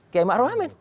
kei makruf amin